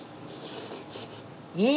うん！